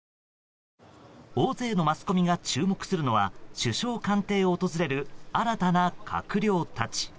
大勢のマスコミが注目するのは首相官邸を訪れる新たな閣僚たち。